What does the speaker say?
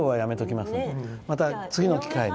また、次の機会に。